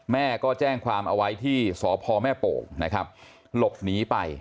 แม่ก็แจ้งความเอาไว้ที่สพแม่โป่งนะครับหลบหนีไป